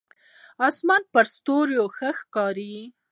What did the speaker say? اسمان په ستورو ښه ښکارېږي.